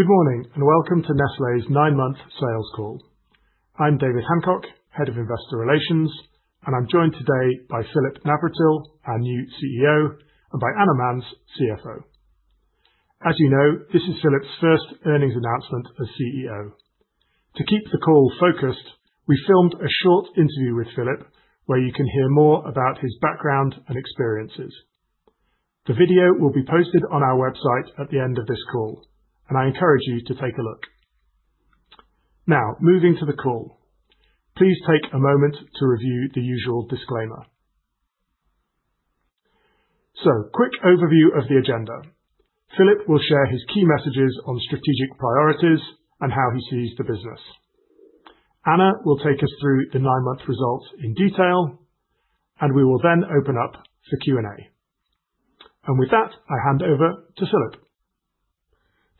Good morning and welcome to Nestlé's nine-month sales call. I'm David Hancock, Head of Investor Relations, and I'm joined today by Philipp Navratil, our new CEO, and by Anna Manz, CFO. As you know, this is Philipp's first earnings announcement as CEO. To keep the call focused, we filmed a short interview with Philipp where you can hear more about his background and experiences. The video will be posted on our website at the end of this call, and I encourage you to take a look. Now, moving to the call. Please take a moment to review the usual disclaimer. So, quick overview of the agenda. Philipp will share his key messages on strategic priorities and how he sees the business. Anna will take us through the nine-month results in detail, and we will then open up for Q&A. And with that, I hand over to Philipp.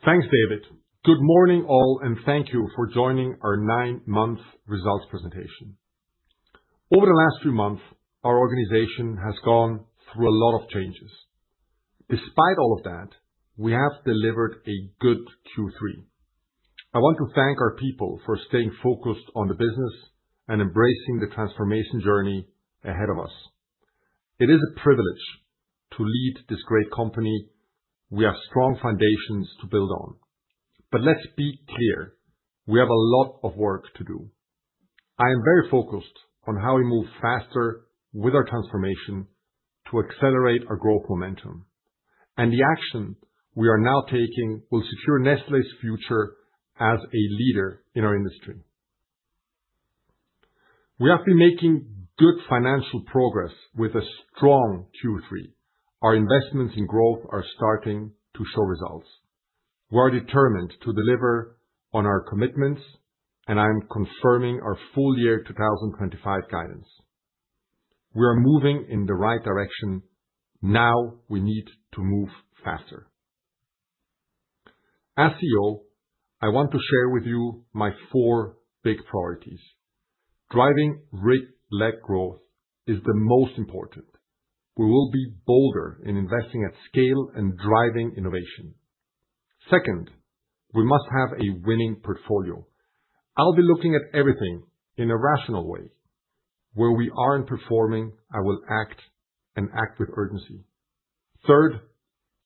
Thanks, David. Good morning, all, and thank you for joining our nine-month results presentation. Over the last few months, our organization has gone through a lot of changes. Despite all of that, we have delivered a good Q3. I want to thank our people for staying focused on the business and embracing the transformation journey ahead of us. It is a privilege to lead this great company. We have strong foundations to build on. But let's be clear, we have a lot of work to do. I am very focused on how we move faster with our transformation to accelerate our growth momentum. And the action we are now taking will secure Nestlé's future as a leader in our industry. We have been making good financial progress with a strong Q3. Our investments in growth are starting to show results. We are determined to deliver on our commitments, and I'm confirming our full-year 2025 guidance. We are moving in the right direction. Now we need to move faster. As CEO, I want to share with you my four big priorities. Driving RIG-led growth is the most important. We will be bolder in investing at scale and driving innovation. Second, we must have a winning portfolio. I'll be looking at everything in a rational way. Where we aren't performing, I will act and act with urgency. Third,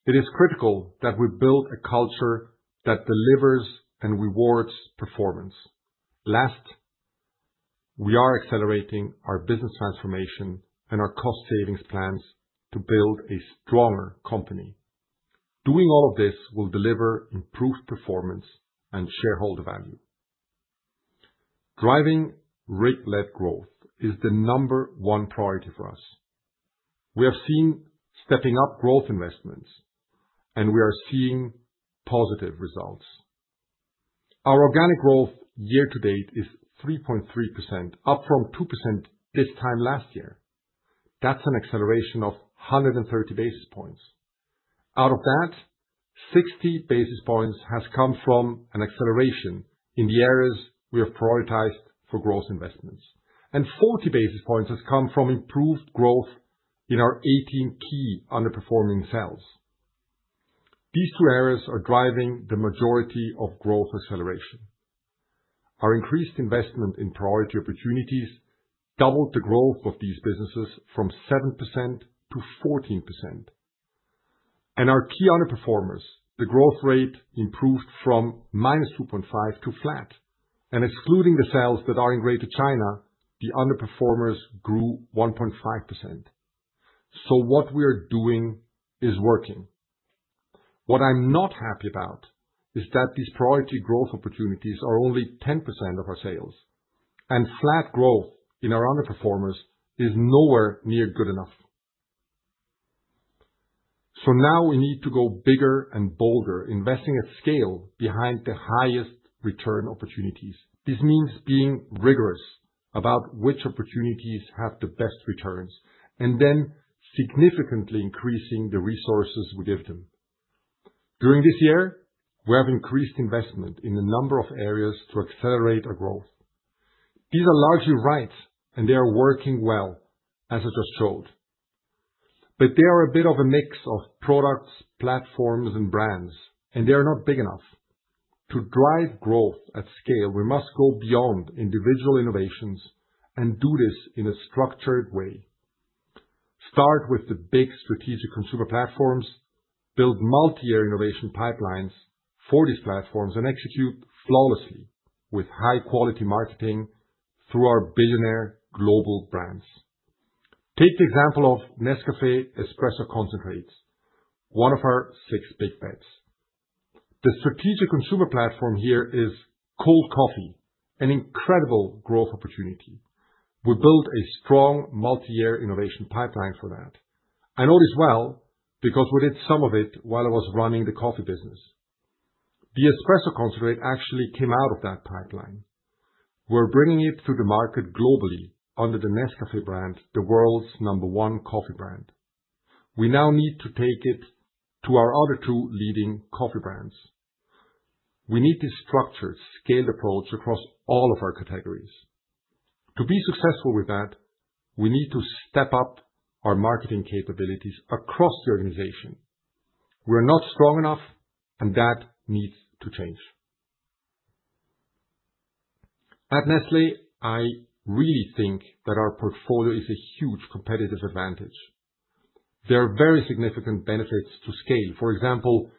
it is critical that we build a culture that delivers and rewards performance. Last, we are accelerating our business transformation and our cost-savings plans to build a stronger company. Doing all of this will deliver improved performance and shareholder value. Driving RIG-led growth is the number one priority for us. We have seen stepping-up growth investments, and we are seeing positive results. Our organic growth year-to-date is 3.3%, up from 2% this time last year. That's an acceleration of 130 basis points. Out of that, 60 basis points has come from an acceleration in the areas we have prioritized for growth investments, and 40 basis points has come from improved growth in our 18 key underperforming cells. These two areas are driving the majority of growth acceleration. Our increased investment in priority opportunities doubled the growth of these businesses from 7% to 14%, and our key underperformers, the growth rate improved from minus 2.5% to flat, and excluding the cells that are in Greater China, the underperformers grew 1.5%, so what we are doing is working. What I'm not happy about is that these priority growth opportunities are only 10% of our sales, and flat growth in our underperformers is nowhere near good enough. So now we need to go bigger and bolder, investing at scale behind the highest return opportunities. This means being rigorous about which opportunities have the best returns and then significantly increasing the resources we give them. During this year, we have increased investment in a number of areas to accelerate our growth. These are largely right, and they are working well, as I just showed. But they are a bit of a mix of products, platforms, and brands, and they are not big enough. To drive growth at scale, we must go beyond individual innovations and do this in a structured way. Start with the big strategic consumer platforms, build multi-year innovation pipelines for these platforms, and execute flawlessly with high-quality marketing through our billionaire global brands. Take the example of NESCAFÉ Espresso Concentrates, one of our six big bets. The strategic consumer platform here is cold coffee, an incredible growth opportunity. We built a strong multi-year innovation pipeline for that. I know this well because we did some of it while I was running the coffee business. The espresso concentrate actually came out of that pipeline. We're bringing it to the market globally under the Nescafé brand, the world's number one coffee brand. We now need to take it to our other two leading coffee brands. We need to structure a scaled approach across all of our categories. To be successful with that, we need to step up our marketing capabilities across the organization. We are not strong enough, and that needs to change. At Nestlé, I really think that our portfolio is a huge competitive advantage. There are very significant benefits to scale, for example,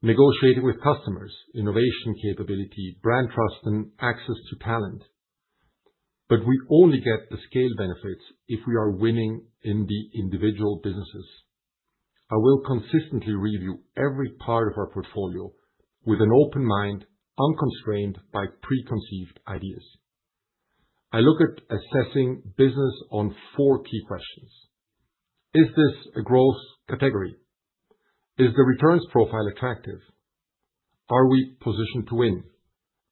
negotiating with customers, innovation capability, brand trust, and access to talent. But we only get the scale benefits if we are winning in the individual businesses. I will consistently review every part of our portfolio with an open mind, unconstrained by preconceived ideas. I look at assessing business on four key questions. Is this a growth category? Is the returns profile attractive? Are we positioned to win?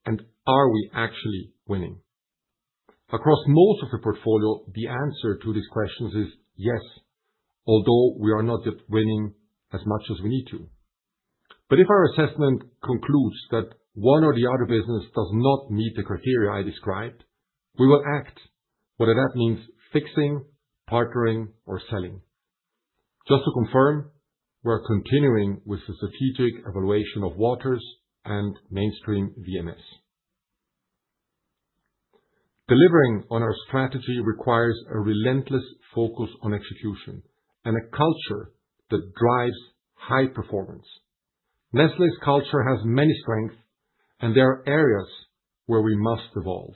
And are we actually winning? Across most of the portfolio, the answer to these questions is yes, although we are not yet winning as much as we need to. But if our assessment concludes that one or the other business does not meet the criteria I described, we will act, whether that means fixing, partnering, or selling. Just to confirm, we're continuing with the strategic evaluation of Waters and mainstream VMS. Delivering on our strategy requires a relentless focus on execution and a culture that drives high performance. Nestlé's culture has many strengths, and there are areas where we must evolve.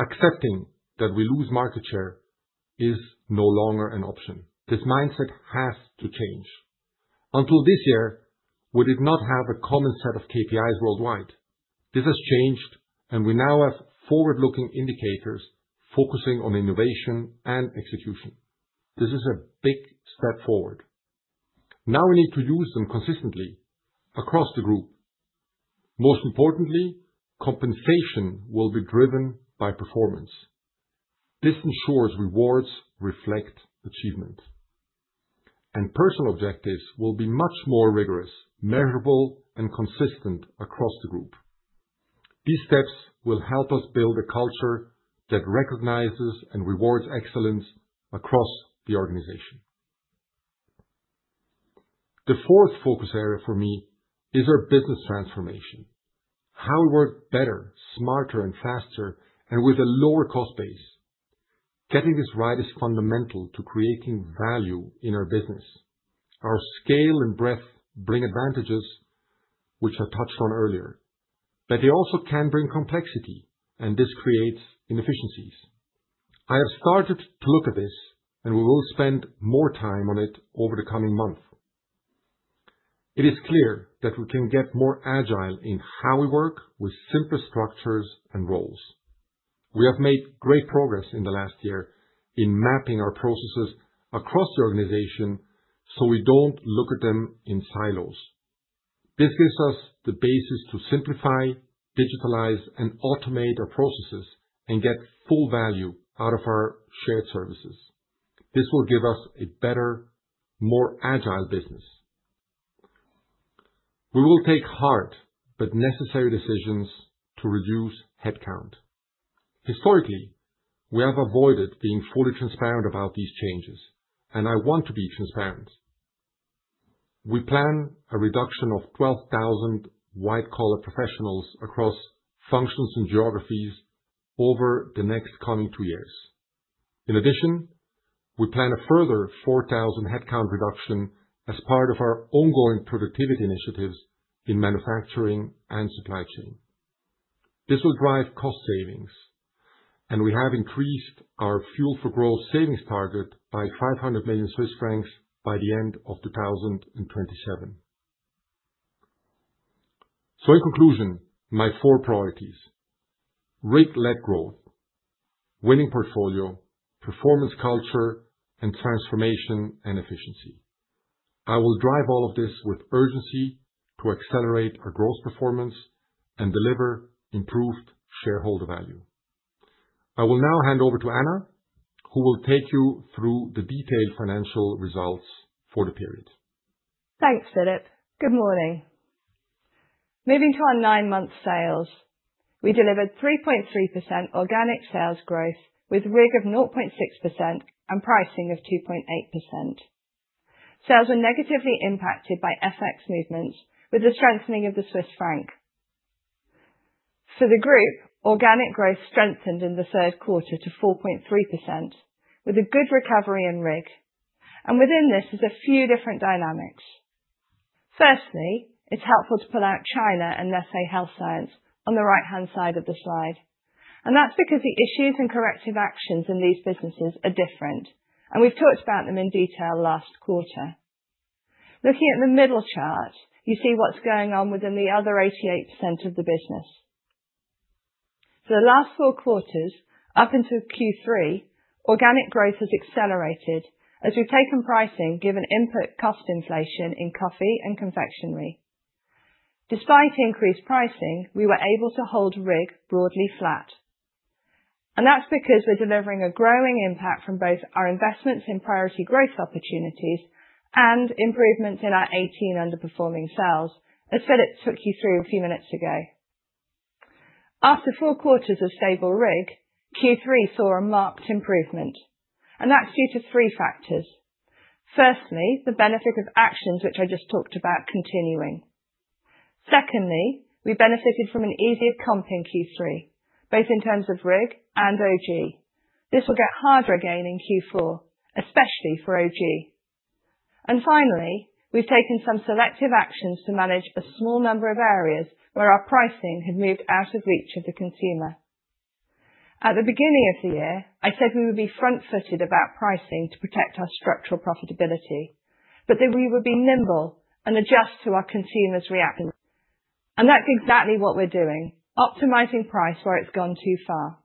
Accepting that we lose market share is no longer an option. This mindset has to change. Until this year, we did not have a common set of KPIs worldwide. This has changed, and we now have forward-looking indicators focusing on innovation and execution. This is a big step forward. Now we need to use them consistently across the Group. Most importantly, compensation will be driven by performance. This ensures rewards reflect achievement and personal objectives will be much more rigorous, measurable, and consistent across the Group. These steps will help us build a culture that recognizes and rewards excellence across the organization. The fourth focus area for me is our business transformation, how we work better, smarter, and faster, and with a lower cost base. Getting this right is fundamental to creating value in our business. Our scale and breadth bring advantages, which I touched on earlier. But they also can bring complexity, and this creates inefficiencies. I have started to look at this, and we will spend more time on it over the coming month. It is clear that we can get more agile in how we work with simpler structures and roles. We have made great progress in the last year in mapping our processes across the organization so we don't look at them in silos. This gives us the basis to simplify, digitalize, and automate our processes and get full value out of our shared services. This will give us a better, more agile business. We will take hard but necessary decisions to reduce headcount. Historically, we have avoided being fully transparent about these changes, and I want to be transparent. We plan a reduction of 12,000 white-collar professionals across functions and geographies over the next coming two years. In addition, we plan a further 4,000 headcount reduction as part of our ongoing productivity initiatives in manufacturing and supply chain. This will drive cost savings, and we have increased our Fuel for Growth savings target by 500 million Swiss francs by the end of 2027. So in conclusion, my four priorities: RIG-led growth, winning portfolio, performance culture, and transformation and efficiency. I will drive all of this with urgency to accelerate our growth performance and deliver improved shareholder value. I will now hand over to Anna, who will take you through the detailed financial results for the period. Thanks, Philipp. Good morning. Moving to our nine-month sales, we delivered 3.3% organic sales growth with RIG of 0.6% and pricing of 2.8%. Sales were negatively impacted by FX movements with the strengthening of the Swiss franc. For the Group, organic growth strengthened in the third quarter to 4.3%, with a good recovery in RIG, and within this is a few different dynamics. Firstly, it's helpful to pull out China and Nestlé Health Science on the right-hand side of the slide, and that's because the issues and corrective actions in these businesses are different, and we've talked about them in detail last quarter. Looking at the middle chart, you see what's going on within the other 88% of the business. For the last four quarters up until Q3, organic growth has accelerated as we've taken pricing given input cost inflation in coffee and Confectionery. Despite increased pricing, we were able to hold RIG broadly flat. And that's because we're delivering a growing impact from both our investments in priority growth opportunities and improvements in our 18 underperforming cells, as Philipp took you through a few minutes ago. After four quarters of stable RIG, Q3 saw a marked improvement. And that's due to three factors. Firstly, the benefit of actions which I just talked about continuing. Secondly, we benefited from an easier comp in Q3, both in terms of RIG and OG. This will get harder again in Q4, especially for OG. And finally, we've taken some selective actions to manage a small number of areas where our pricing had moved out of reach of the consumer. At the beginning of the year, I said we would be front-footed about pricing to protect our structural profitability, but that we would be nimble and adjust to our consumers' reactions. And that's exactly what we're doing, optimizing price where it's gone too far.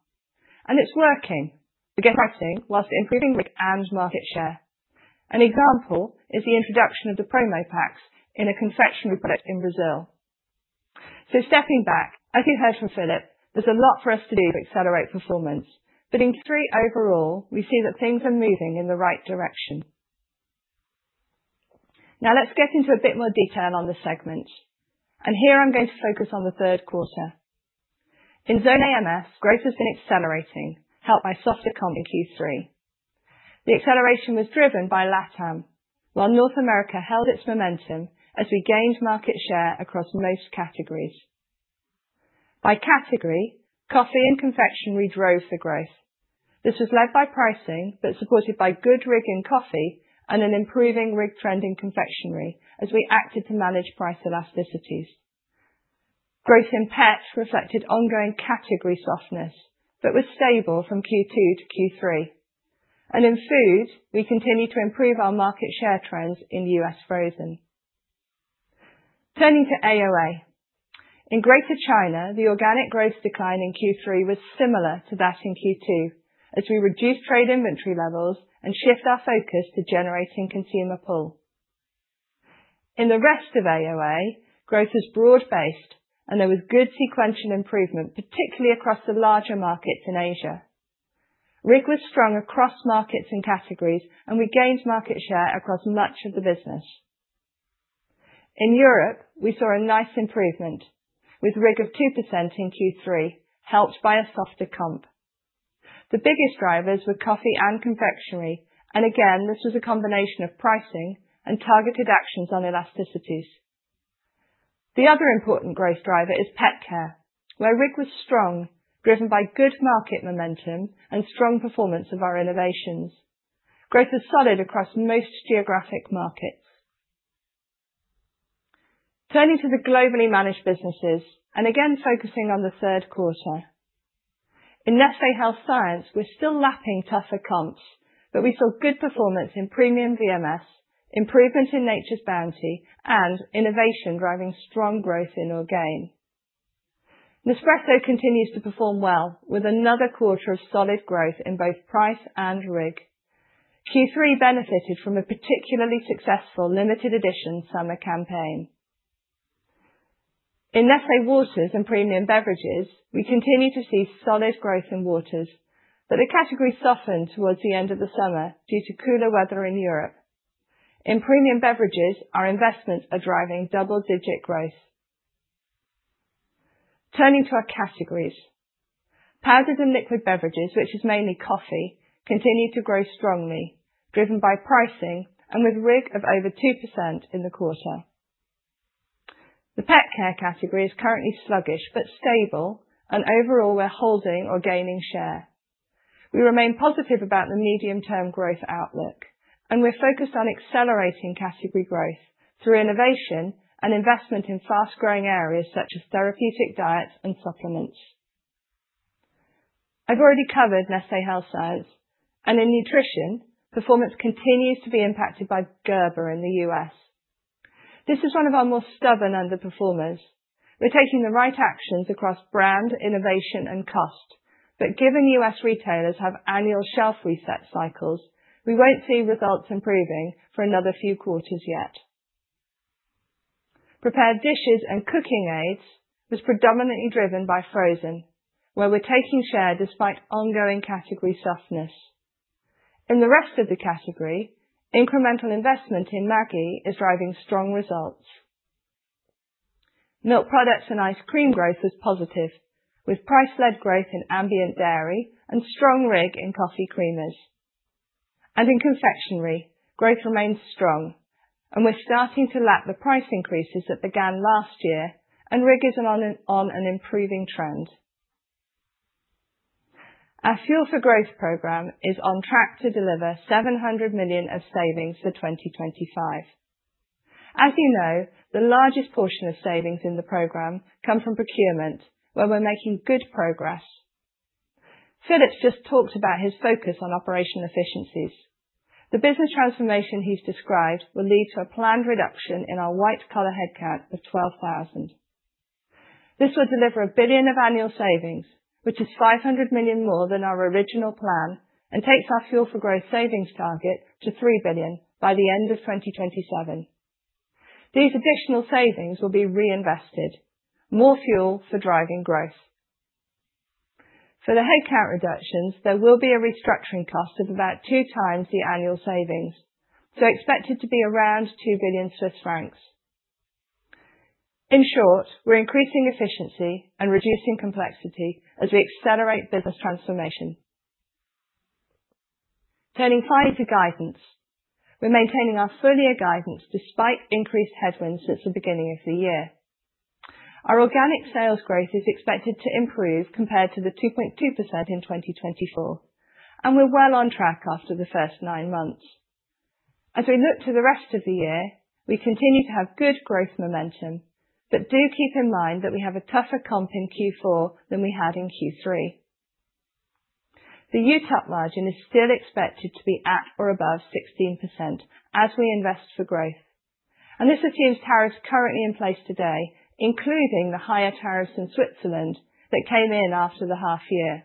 And it's working. We get pricing whilst improving RIG and market share. An example is the introduction of the promo packs in a Confectionery product in Brazil. So stepping back, as you heard from Philipp, there's a lot for us to do to accelerate performance. But in Q3 overall, we see that things are moving in the right direction. Now let's get into a bit more detail on the segments. And here I'm going to focus on the third quarter. In Zone AMS, growth has been accelerating, helped by soft comp in Q3. The acceleration was driven by LATAM, while North America held its momentum as we gained market share across most categories. By category, coffee and Confectionery drove the growth. This was led by pricing, but supported by good RIG in coffee and an improving RIG trend in Confectionery as we acted to manage price elasticities. Growth in pets reflected ongoing category softness, but was stable from Q2 to Q3, and in food, we continue to improve our market share trends in U.S. Frozen. Turning to AOA. In Greater China, the organic growth decline in Q3 was similar to that in Q2, as we reduced trade inventory levels and shift our focus to generating consumer pull. In the rest of AOA, growth was broad-based, and there was good sequential improvement, particularly across the larger markets in Asia. RIG was strong across markets and categories, and we gained market share across much of the business. In Europe, we saw a nice improvement with RIG of 2% in Q3, helped by a softer comp. The biggest drivers were coffee and Confectionery, and again, this was a combination of pricing and targeted actions on elasticities. The other important growth driver is Pet Care, where RIG was strong, driven by good market momentum and strong performance of our innovations. Growth was solid across most geographic markets. Turning to the globally managed businesses, and again focusing on the third quarter. In Nestlé Health Science, we're still lapping tougher comps, but we saw good performance in premium VMS, improvement in Nature's Bounty, and innovation driving strong growth in Orgain. Nespresso continues to perform well, with another quarter of solid growth in both price and RIG. Q3 benefited from a particularly successful limited edition summer campaign. In Nestlé Waters and premium beverages, we continue to see solid growth in waters, but the category softened towards the end of the summer due to cooler weather in Europe. In premium beverages, our investments are driving double-digit growth. Turning to our categories, powders and liquid beverages, which is mainly coffee, continue to grow strongly, driven by pricing and with RIG of over 2% in the quarter. The Pet Care category is currently sluggish but stable, and overall, we're holding or gaining share. We remain positive about the medium-term growth outlook, and we're focused on accelerating category growth through innovation and investment in fast-growing areas such as therapeutic diets and supplements. I've already covered Nestlé Health Science, and in Nutrition, performance continues to be impacted by Gerber in the U.S. This is one of our more stubborn underperformers. We're taking the right actions across brand, innovation, and cost, but given U.S. retailers have annual shelf reset cycles, we won't see results improving for another few quarters yet. Prepared dishes and cooking aids was predominantly driven by Frozen, where we're taking share despite ongoing category softness. In the rest of the category, incremental investment in Maggi is driving strong results. Milk products and ice cream growth was positive, with price-led growth in ambient dairy and strong RIG in coffee creamers. And in Confectionery, growth remains strong, and we're starting to lap the price increases that began last year, and RIG is on an improving trend. Our Fuel for Growth program is on track to deliver 700 million of savings for 2025. As you know, the largest portion of savings in the program come from procurement, where we're making good progress. Philipp just talked about his focus on operational efficiencies. The business transformation he's described will lead to a planned reduction in our white-collar headcount of 12,000. This will deliver 1 billion of annual savings, which is 500 million more than our original plan and takes our Fuel for Growth savings target to 3 billion by the end of 2027. These additional savings will be reinvested, more fuel for driving growth. For the headcount reductions, there will be a restructuring cost of about two times the annual savings, so expected to be around 2 billion Swiss francs. In short, we're increasing efficiency and reducing complexity as we accelerate business transformation. Turning finally to guidance, we're maintaining our full year guidance despite increased headwinds since the beginning of the year. Our organic sales growth is expected to improve compared to the 2.2% in 2024, and we're well on track after the first nine months. As we look to the rest of the year, we continue to have good growth momentum, but do keep in mind that we have a tougher comp in Q4 than we had in Q3. The UTOP margin is still expected to be at or above 16% as we invest for growth. And this assumes tariffs currently in place today, including the higher tariffs in Switzerland that came in after the half year.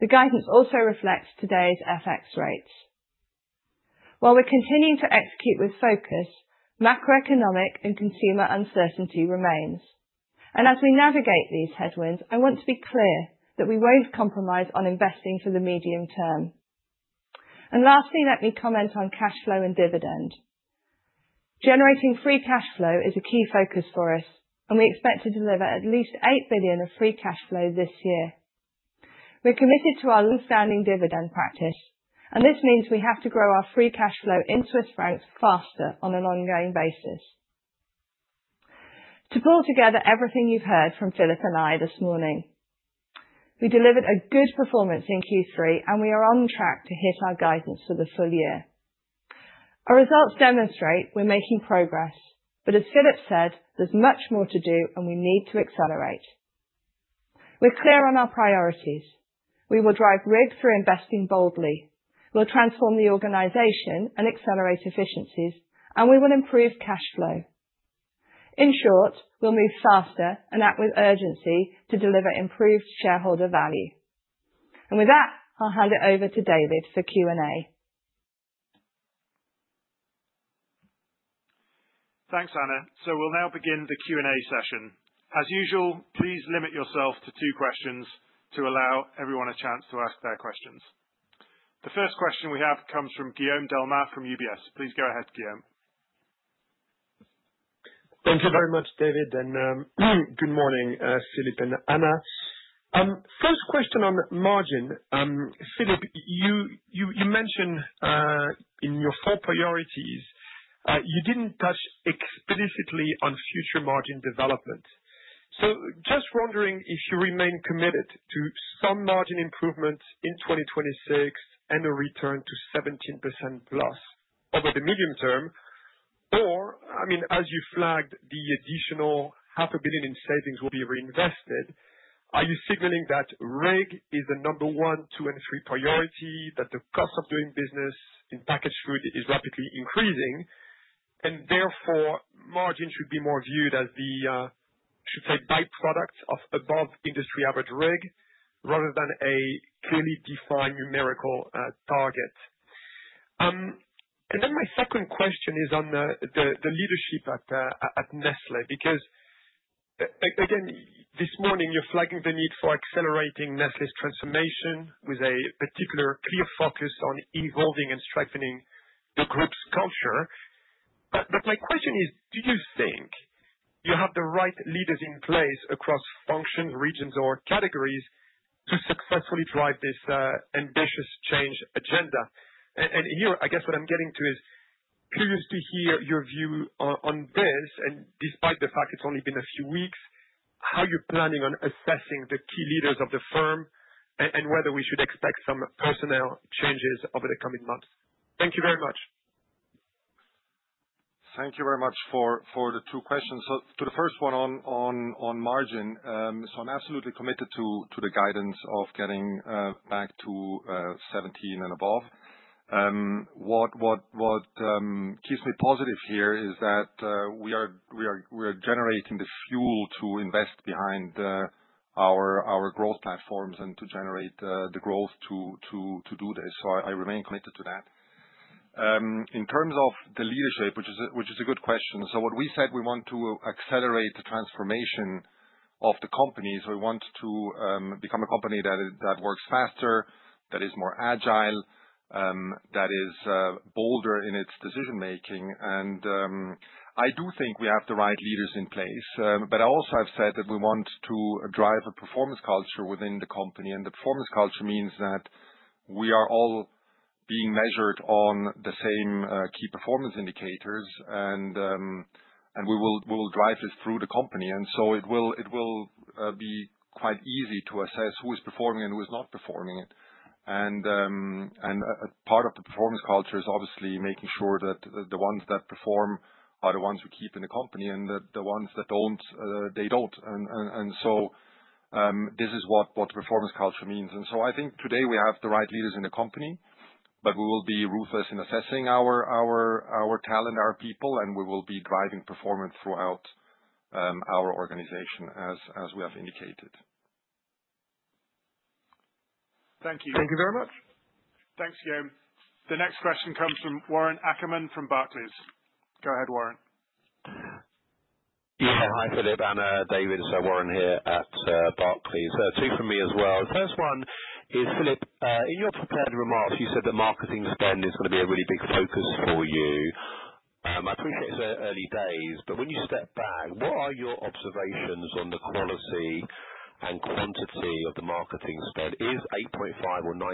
The guidance also reflects today's FX rates. While we're continuing to execute with focus, macroeconomic and consumer uncertainty remains. And as we navigate these headwinds, I want to be clear that we won't compromise on investing for the medium term. And lastly, let me comment on cash flow and dividend. Generating free cash flow is a key focus for us, and we expect to deliver at least 8 billion of free cash flow this year. We're committed to our long-standing dividend practice, and this means we have to grow our Free Cash Flow in Swiss francs faster on an ongoing basis. To pull together everything you've heard from Philipp and I this morning, we delivered a good performance in Q3, and we are on track to hit our guidance for the full year. Our results demonstrate we're making progress, but as Philipp said, there's much more to do, and we need to accelerate. We're clear on our priorities. We will drive RIG through investing boldly. We'll transform the organization and accelerate efficiencies, and we will improve cash flow. In short, we'll move faster and act with urgency to deliver improved shareholder value, and with that, I'll hand it over to David for Q&A. Thanks, Anna. So we'll now begin the Q&A session. As usual, please limit yourself to two questions to allow everyone a chance to ask their questions. The first question we have comes from Guillaume Delmas from UBS. Please go ahead, Guillaume. Thank you very much, David, and good morning, Philipp and Anna. First question on margin. Philipp, you mentioned in your four priorities, you didn't touch explicitly on future margin development. So just wondering if you remain committed to some margin improvement in 2026 and a return to 17% plus over the medium term, or, I mean, as you flagged, the additional 500 million in savings will be reinvested. Are you signaling that RIG is the number one, two, and three priority, that the cost of doing business in packaged food is rapidly increasing, and therefore margin should be more viewed as the, should say, byproduct of above industry average RIG rather than a clearly defined numerical target? And then my second question is on the leadership at Nestlé, because again, this morning, you're flagging the need for accelerating Nestlé's transformation with a particular clear focus on evolving and strengthening the Group's culture. But my question is, do you think you have the right leaders in place across functions, regions, or categories to successfully drive this ambitious change agenda? And here, I guess what I'm getting to is curious to hear your view on this, and despite the fact it's only been a few weeks, how you're planning on assessing the key leaders of the firm and whether we should expect some personnel changes over the coming months. Thank you very much. Thank you very much for the two questions. So to the first one on margin, so I'm absolutely committed to the guidance of getting back to 17 and above. What keeps me positive here is that we are generating the fuel to invest behind our growth platforms and to generate the growth to do this. So I remain committed to that. In terms of the leadership, which is a good question, so what we said, we want to accelerate the transformation of the company. So we want to become a company that works faster, that is more agile, that is bolder in its decision-making. And I do think we have the right leaders in place, but I also have said that we want to drive a performance culture within the company. The performance culture means that we are all being measured on the same key performance indicators, and we will drive this through the company. It will be quite easy to assess who is performing and who is not performing it. Part of the performance culture is obviously making sure that the ones that perform are the ones we keep in the company and the ones that don't, they don't. This is what the performance culture means. Today we have the right leaders in the company, but we will be ruthless in assessing our talent, our people, and we will be driving performance throughout our organization as we have indicated. Thank you. Thank you very much. Thanks, Guillaume. The next question comes from Warren Ackerman from Barclays. Go ahead, Warren. Yeah, hi Philipp, Anna, David. Warren here at Barclays. Two from me as well. The first one is, Philipp, in your prepared remarks, you said the marketing spend is going to be a really big focus for you. I appreciate it's early days, but when you step back, what are your observations on the quality and quantity of the marketing spend? Is 8.5% or 9%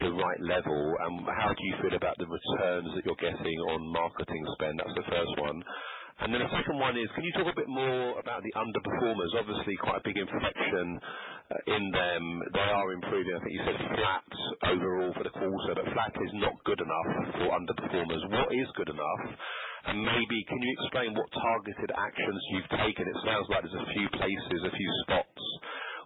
the right level? And how do you feel about the returns that you're getting on marketing spend? That's the first one. And then the second one is, can you talk a bit more about the underperformers? Obviously, quite a big inflection in them. They are improving. I think you said flat overall for the quarter, but flat is not good enough for underperformers. What is good enough? And maybe can you explain what targeted actions you've taken? It sounds like there's a few places, a few spots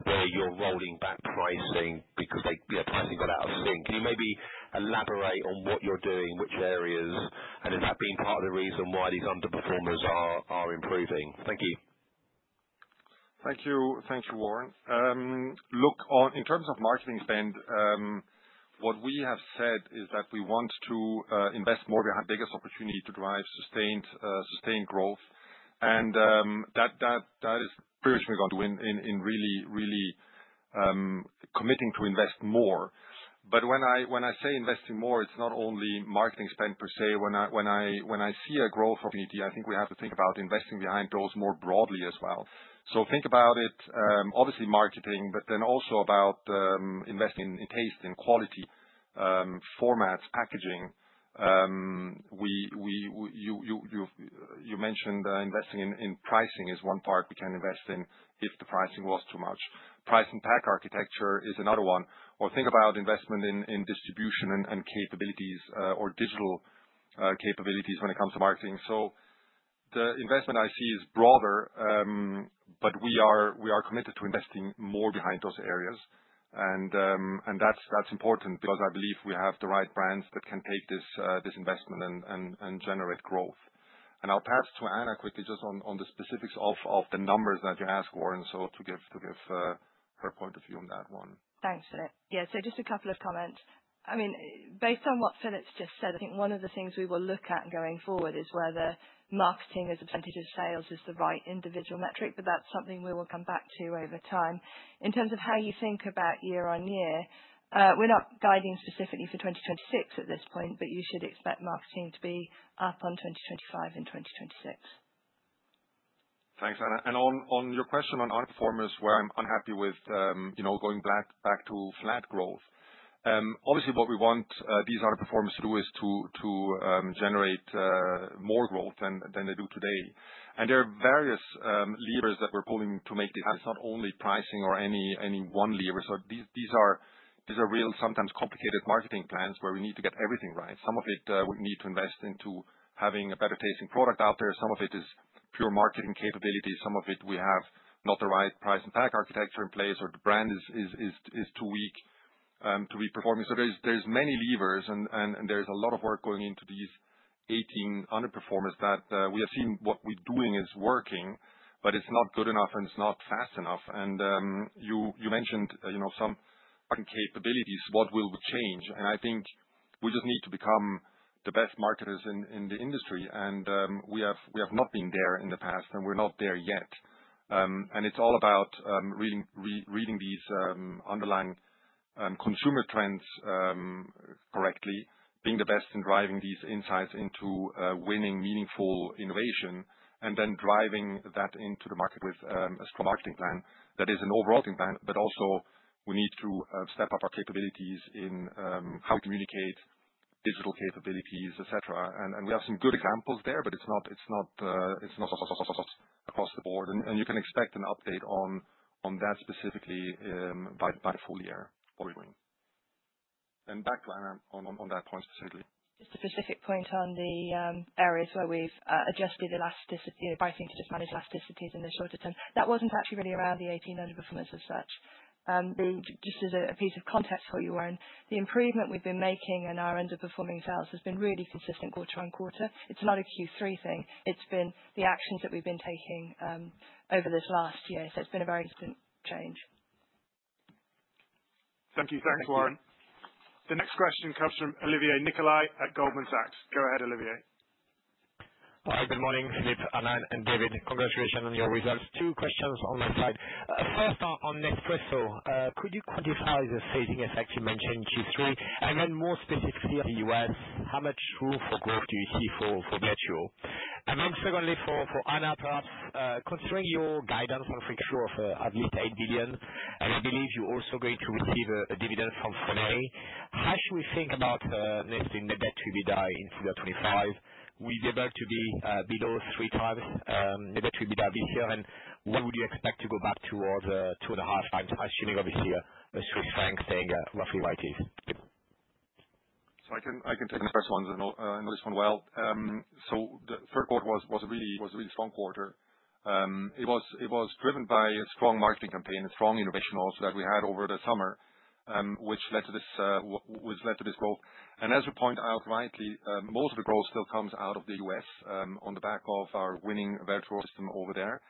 where you're rolling back pricing because pricing got out of sync. Can you maybe elaborate on what you're doing, which areas, and has that been part of the reason why these underperformers are improving? Thank you. Thank you, Warren. Look, in terms of marketing spend, what we have said is that we want to invest more. We have the biggest opportunity to drive sustained growth, and that is pretty much what we're going to win in really committing to invest more, but when I say investing more, it's not only marketing spend per se. When I see a growth opportunity, I think we have to think about investing behind those more broadly as well, so think about it, obviously marketing, but then also about investing in taste and quality formats, packaging. You mentioned investing in pricing is one part we can invest in if the pricing was too much. Price and pack architecture is another one, or think about investment in distribution and capabilities or digital capabilities when it comes to marketing. So the investment I see is broader, but we are committed to investing more behind those areas. And that's important because I believe we have the right brands that can take this investment and generate growth. And I'll pass to Anna quickly just on the specifics of the numbers that you asked, Warren, so to give her point of view on that one. Thanks, Philipp. Yeah, so just a couple of comments. I mean, based on what Philipp's just said, I think one of the things we will look at going forward is whether marketing as a percentage of sales is the right individual metric, but that's something we will come back to over time. In terms of how you think about year on year, we're not guiding specifically for 2026 at this point, but you should expect marketing to be up on 2025 and 2026. Thanks, Anna. And on your question on underperformers, where I'm unhappy with going back to flat growth. Obviously, what we want these underperformers to do is to generate more growth than they do today. And there are various levers that we're pulling to make this. It's not only pricing or any one lever. So these are real, sometimes complicated marketing plans where we need to get everything right. Some of it, we need to invest into having a better tasting product out there. Some of it is pure marketing capabilities. Some of it, we have not the right price and pack architecture in place, or the brand is too weak to be performing. So there's many levers, and there's a lot of work going into these 18 underperformers that we have seen what we're doing is working, but it's not good enough and it's not fast enough. And you mentioned some marketing capabilities. What will change? And I think we just need to become the best marketers in the industry. And we have not been there in the past, and we're not there yet. And it's all about reading these underlying consumer trends correctly, being the best in driving these insights into winning meaningful innovation, and then driving that into the market with a strong marketing plan that is an overall marketing plan, but also we need to step up our capabilities in how we communicate, digital capabilities, etc. And we have some good examples there, but it's not across the Board. And you can expect an update on that specifically by full year, what we're doing. And back to Anna on that point specifically. Just a specific point on the areas where we've adjusted elasticity, pricing to just manage elasticities in the shorter term. That wasn't actually really around the 18 underperformers as such. Just as a piece of context for you, Warren, the improvement we've been making in our underperforming sales has been really consistent quarter on quarter. It's not a Q3 thing. It's been the actions that we've been taking over this last year. So it's been a very instant change. Thank you. Thanks, Warren. The next question comes from Olivier Nicolai at Goldman Sachs. Go ahead, Olivier. Hi, good morning, Philipp, Anna, and David. Congratulations on your results. Two questions on my side. First, on Nespresso, could you quantify the phasing effect you mentioned Q3? And then more specifically, the U.S., how much room for growth do you see for Vertuo? And then secondly, for Anna, perhaps, considering your guidance on Fuel for Growth of at least 8 billion, and I believe you're also going to receive a dividend from L'Oréal, how should we think about Nespresso's net debt to EBITDA in 2025? Will it be able to be below three times net debt to EBITDA this year? And what would you expect to go back towards two and a half times, assuming obviously a strengthening RIG roughly what it is? So I can take the first ones and know this one well. So the third quarter was a really strong quarter. It was driven by a strong marketing campaign and strong innovation also that we had over the summer, which led to this growth. And as you point out rightly, most of the growth still comes out of the U.S. on the back of our winning Vertuo system over there.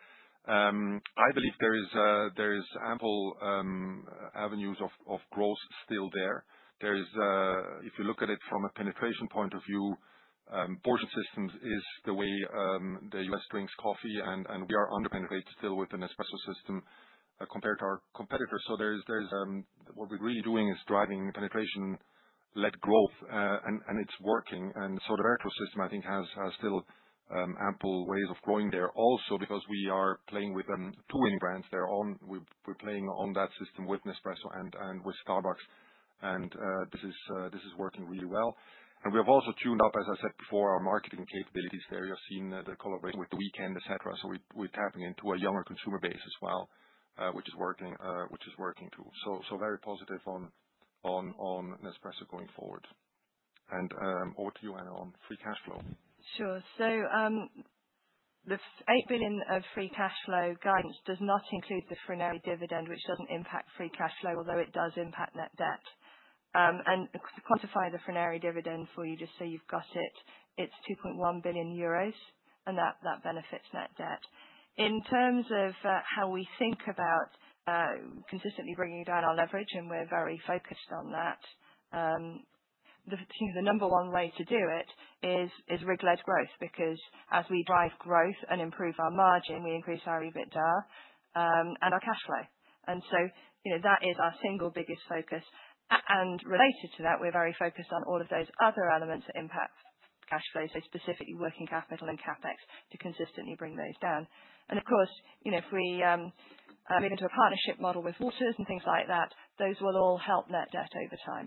I believe there are ample avenues of growth still there. If you look at it from a penetration point of view, Vertuo system is the way the U.S. drinks coffee, and we are underpenetrated still with the Nespresso system compared to our competitors. So what we're really doing is driving penetration-led growth, and it's working. And so the Vertuo system, I think, has still ample ways of growing there also because we are playing with two winning brands there. We're playing on that system with Nespresso and with Starbucks, and this is working really well, and we have also tuned up, as I said before, our marketing capabilities there. You've seen the collaboration with The Weeknd, etc., so we're tapping into a younger consumer base as well, which is working too, so very positive on Nespresso going forward, and over to you, Anna, on Free Cash Flow. Sure. So the 8 billion of Free Cash Flow guidance does not include the L'Oréal dividend, which doesn't impact Free Cash Flow, although it does impact net debt. And to quantify the L'Oréal dividend for you, just so you've got it, it's 2.1 billion euros, and that benefits net debt. In terms of how we think about consistently bringing down our leverage, and we're very focused on that, the number one way to do it is RIG-led growth because as we drive growth and improve our margin, we increase our EBITDA and our cash flow. And so that is our single biggest focus. And related to that, we're very focused on all of those other elements that impact cash flow, so specifically working capital and CapEx to consistently bring those down. And of course, if we move into a partnership model with Waters and things like that, those will all help net debt over time.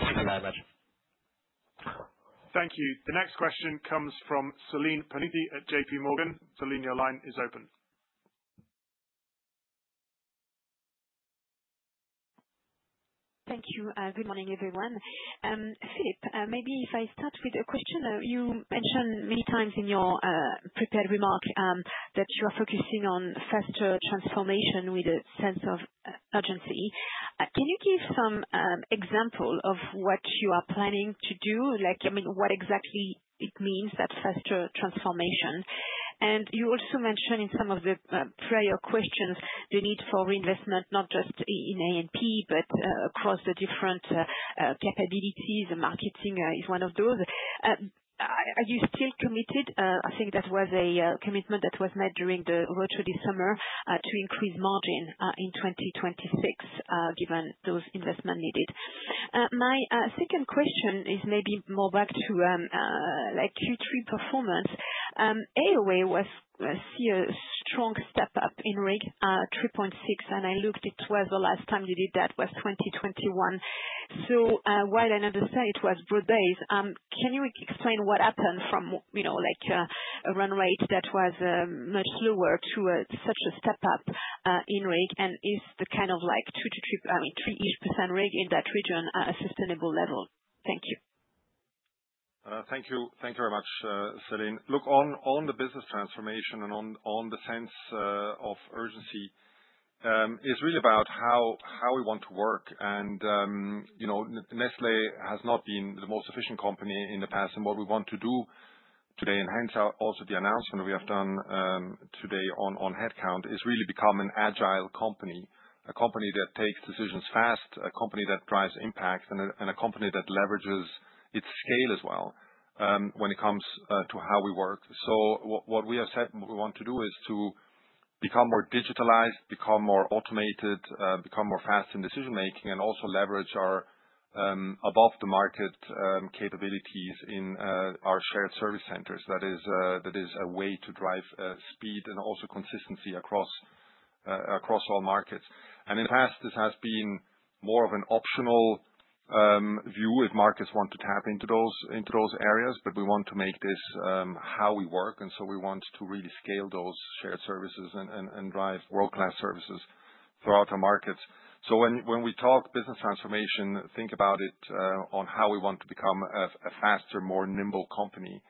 Thank you very much. Thank you. The next question comes from Céline Pannuti at JPMorgan. Céline, your line is open. Thank you. Good morning, everyone. Philipp, maybe if I start with a question, you mentioned many times in your prepared remark that you are focusing on faster transformation with a sense of urgency. Can you give some examples of what you are planning to do? I mean, what exactly it means, that faster transformation? And you also mentioned in some of the prior questions the need for reinvestment, not just in A&P, but across the different capabilities. Marketing is one of those. Are you still committed? I think that was a commitment that was made during the roadshow to increase margin in 2026, given those investments needed. My second question is maybe more back to Q3 performance. AOA was seeing a strong step up in RIG 3.6, and I looked at where the last time you did that was 2021. So while I understand it was broad base, can you explain what happened from a run rate that was much slower to such a step up in RIG? And is the kind of like 2-3%, I mean, 3-ish% RIG in that region a sustainable level? Thank you. Thank you very much, Céline. Look, on the business transformation and on the sense of urgency, it's really about how we want to work, and Nestlé has not been the most efficient company in the past, and what we want to do today, and hence also the announcement we have done today on headcount, is really become an agile company, a company that takes decisions fast, a company that drives impact, and a company that leverages its scale as well when it comes to how we work, so what we have said we want to do is to become more digitalized, become more automated, become more fast in decision-making, and also leverage our above-the-market capabilities in our shared service centers. That is a way to drive speed and also consistency across all markets. In the past, this has been more of an optional view if markets want to tap into those areas, but we want to make this how we work. And so we want to really scale those shared services and drive world-class services throughout our markets. So when we talk business transformation, think about it on how we want to become a faster, more nimble company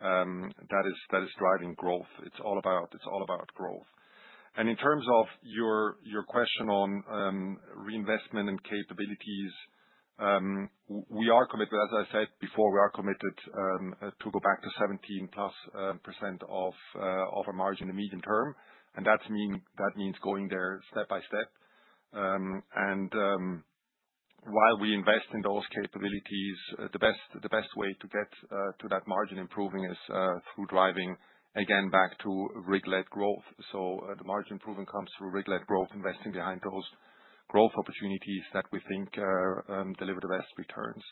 that is driving growth. It's all about growth. And in terms of your question on reinvestment and capabilities, we are committed, as I said before, we are committed to go back to 17+% of our margin in the medium term. And that means going there step by step. And while we invest in those capabilities, the best way to get to that margin improving is through driving, again, back to RIG-led growth. So the margin improvement comes through RIG-led growth, investing behind those growth opportunities that we think deliver the best returns.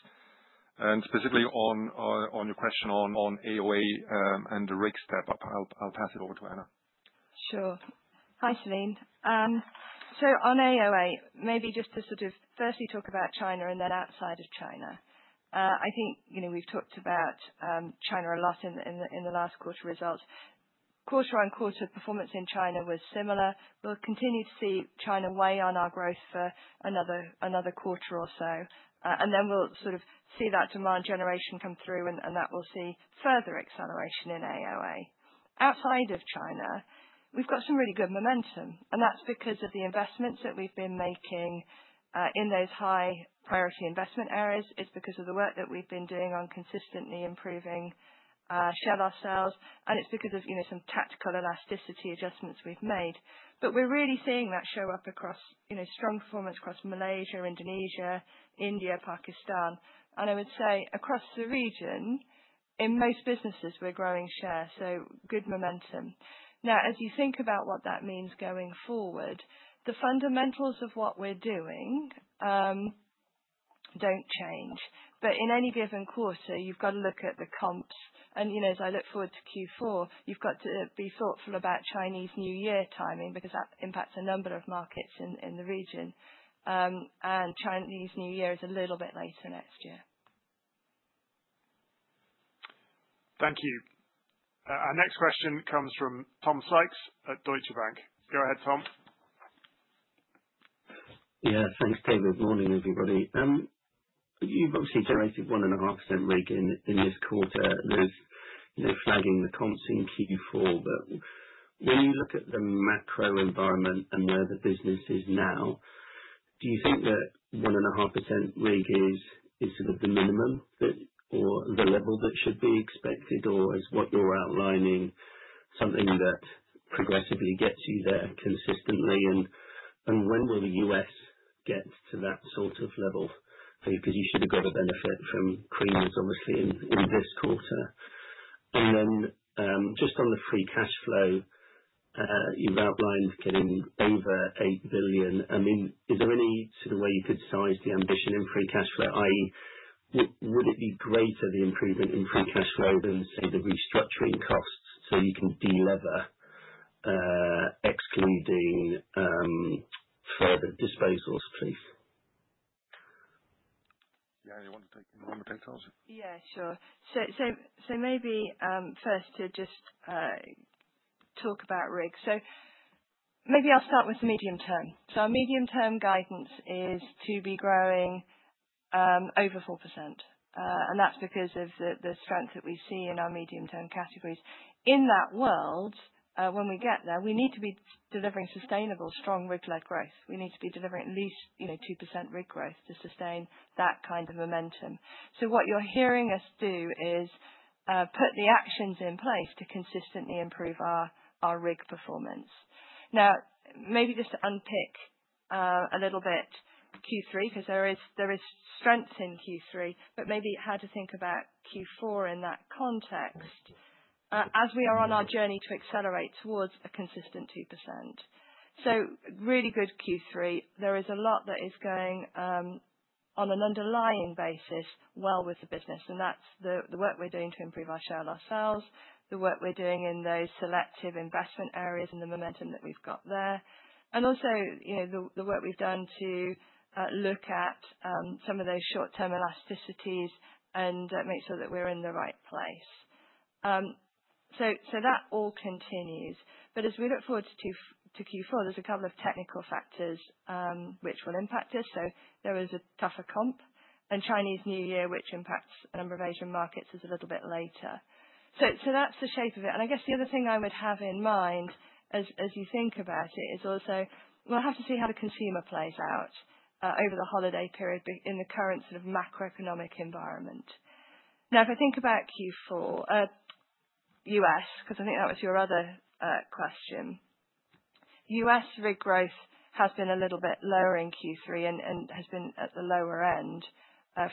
And specifically on your question on AOA and the RIG step up, I'll pass it over to Anna. Sure. Hi, Céline. So on AOA, maybe just to sort of firstly talk about China and then outside of China. I think we've talked about China a lot in the last quarter results. Quarter on quarter performance in China was similar. We'll continue to see China weigh on our growth for another quarter or so. And then we'll sort of see that demand generation come through, and that will see further acceleration in AOA. Outside of China, we've got some really good momentum. And that's because of the investments that we've been making in those high-priority investment areas. It's because of the work that we've been doing on consistently improving share ourselves. And it's because of some tactical elasticity adjustments we've made. But we're really seeing that show up across strong performance across Malaysia, Indonesia, India, Pakistan. And I would say across the region, in most businesses, we're growing share. Good momentum. Now, as you think about what that means going forward, the fundamentals of what we're doing don't change. In any given quarter, you've got to look at the comps. As I look forward to Q4, you've got to be thoughtful about Chinese New Year timing because that impacts a number of markets in the region. Chinese New Year is a little bit later next year. Thank you. Our next question comes from Tom Sykes at Deutsche Bank. Go ahead, Tom. Yeah, thanks, David. Good morning, everybody. You've obviously generated 1.5% RIG in this quarter, and they're flagging the comps in Q4. But when you look at the macro environment and where the business is now, do you think that 1.5% RIG is sort of the minimum or the level that should be expected, or is what you're outlining something that progressively gets you there consistently? And when will the U.S. get to that sort of level? Because you should have got a benefit from creams, obviously, in this quarter. And then just on the free cash flow, you've outlined getting over 8 billion. I mean, is there any sort of way you could size the ambition in free cash flow? I mean, would it be greater, the improvement in free cash flow, than, say, the restructuring costs so you can delever excluding further disposals, please? Yeah, anyone want to take answer? Yeah, sure. So maybe first to just talk about RIG. So maybe I'll start with the medium term. So our medium-term guidance is to be growing over 4%. And that's because of the strength that we see in our medium-term categories. In that world, when we get there, we need to be delivering sustainable, strong RIG-led growth. We need to be delivering at least 2% RIG growth to sustain that kind of momentum. So what you're hearing us do is put the actions in place to consistently improve our RIG performance. Now, maybe just to unpick a little bit Q3, because there is strength in Q3, but maybe how to think about Q4 in that context as we are on our journey to accelerate towards a consistent 2%. So really good Q3. There is a lot that is going on on an underlying basis well with the business. And that's the work we're doing to improve our share of shelf, the work we're doing in those selective investment areas and the momentum that we've got there, and also the work we've done to look at some of those short-term elasticities and make sure that we're in the right place. So that all continues. But as we look forward to Q4, there's a couple of technical factors which will impact us. So there is a tougher comp, and Chinese New Year, which impacts a number of Asian markets, is a little bit later. So that's the shape of it. And I guess the other thing I would have in mind as you think about it is also, we'll have to see how the consumer plays out over the holiday period in the current sort of macroeconomic environment. Now, if I think about Q4, U.S., because I think that was your other question, U.S. RIG growth has been a little bit lower in Q3 and has been at the lower end